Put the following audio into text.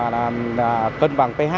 là cân bằng ph